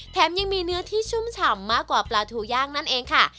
ยังมีเนื้อที่ชุ่มฉ่ำมากกว่าปลาทูย่างนั่นเองค่ะ